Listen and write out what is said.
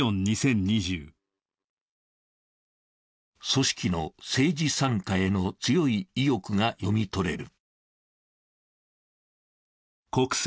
組織の政治参加への強い意欲が読み取れる。